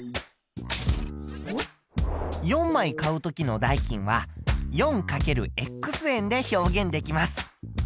４枚買う時の代金は４×円で表現できます。